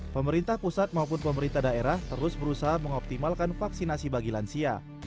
pemerintah pusat maupun pemerintah daerah terus berusaha mengoptimalkan vaksinasi bagi lansia